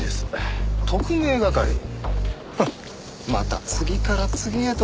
フッまた次から次へと。